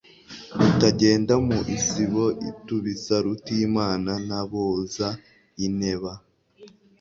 Rutagenda mu isibo itubisa, Rutimana n' aboza inteba,